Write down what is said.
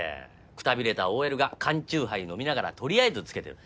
くたびれたＯＬが缶酎ハイ飲みながらとりあえずつけてる。